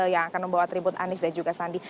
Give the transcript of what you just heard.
yang akan membawa atribut anies dan juga sandi